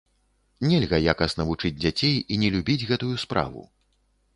Нельга якасна вучыць дзяцей і не любіць гэтую справу.